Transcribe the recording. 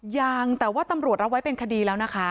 ยังแต่ว่าตำรวจรับไว้เป็นคดีแล้วนะคะ